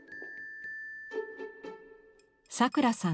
さくらさん